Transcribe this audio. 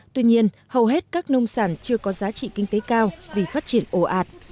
tuy nhiên hầu hết các nông sản chưa có giá trị kinh tế cao vì phát triển ồ ạt